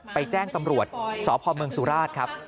ไปแจ้งตำรวจสพมสุราชครับ